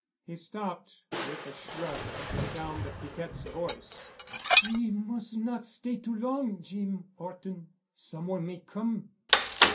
He stopped with a shrug at the sound of Piquette's voice. "We mus' not stay too long, Jeem 'Orton. Some one may come."